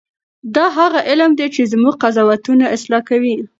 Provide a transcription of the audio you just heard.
دا هغه علم دی چې زموږ قضاوتونه اصلاح کوي.